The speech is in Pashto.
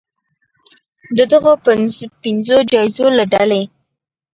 د دغو پنځو جایزو له ډلې